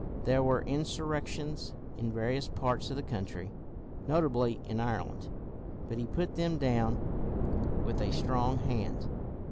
There were insurrections in various parts of the country, notably in Ireland, but he put them down with a strong hand.